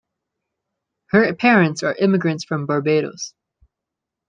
Her parents are immigrants from Barbados.